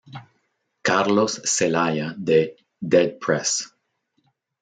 Carlos Zelaya de "Dead Press!